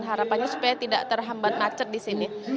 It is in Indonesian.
harapannya supaya tidak terhambat macet di sini